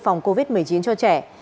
phòng covid một mươi chín cho trẻ